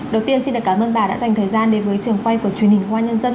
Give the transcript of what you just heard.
đầu tiên xin cảm ơn bà đã dành thời gian đến với trường quay của truyền hình công an nhân dân